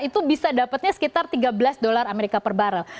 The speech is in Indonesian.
itu bisa dapatnya sekitar tiga belas dolar amerika per barrel